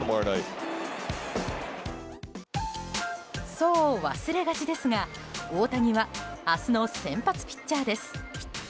そう、忘れがちですが大谷は明日の先発ピッチャーです。